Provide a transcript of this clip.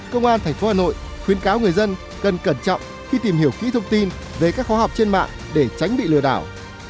công an tp hà nội khuyến cáo người dân cần cẩn trọng khi tìm hiểu kỹ thông tin về các khóa học trên mạng để tránh bị lừa đảo